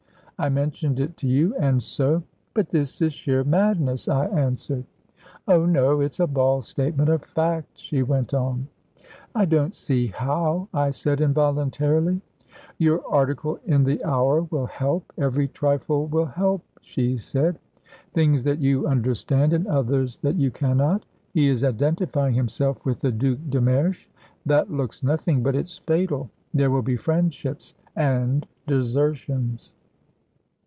I mentioned it to you, and so...." "But this is sheer madness," I answered. "Oh, no, it's a bald statement of fact," she went on. "I don't see how," I said, involuntarily. "Your article in the Hour will help. Every trifle will help," she said. "Things that you understand and others that you cannot.... He is identifying himself with the Duc de Mersch. That looks nothing, but it's fatal. There will be friendships ... and desertions."